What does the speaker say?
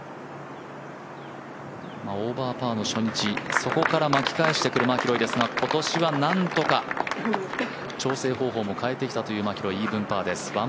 オーバーパーの初日そこから、巻き返してくるマキロイですが、今年はなんとか調整方法も変えてきたというマキロイです。